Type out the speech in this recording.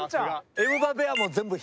エムバペはもう全部左。